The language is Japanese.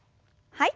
はい。